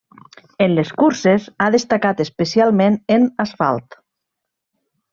En les curses, ha destacat especialment en asfalt.